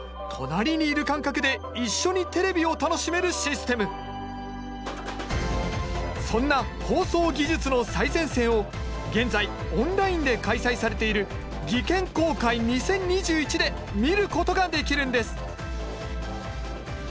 さらにこちらはそんな放送技術の最前線を現在オンラインで開催されている「技研公開２０２１」で見ることができるんです。